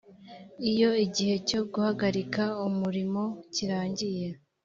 iyo igihe cyo guhagarika umurimo kirangiye